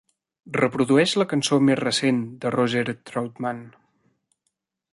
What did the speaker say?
Reprodueix la cançó més recent de Roger Troutman.